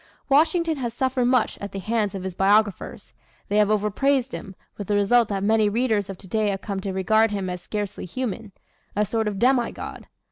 Washington has suffered much at the hands of his biographers. They have over praised him, with the result that many readers of today have come to regard him as scarcely human a sort of demi god.